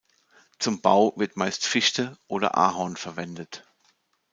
Zum Bau wird meist Fichte oder Ahorn verwendet.